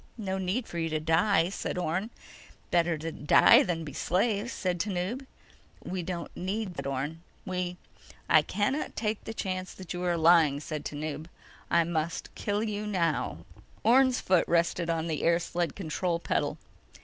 "No need for you to die," said Orne. "Better to die than be slaves," said Tanub. "We don't need slaves," said Orne. "We—" "I cannot take the chance that you are lying," said Tanub. "I must kill you now." Orne's foot rested on the air sled control pedal.